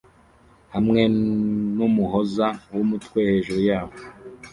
hamwe numuhoza wumutwe hejuru yabo